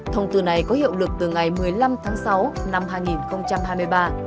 thông tư này có hiệu lực từ ngày một mươi năm tháng sáu năm hai nghìn hai mươi ba